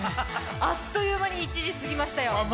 あっという間に１時過ぎましたよ。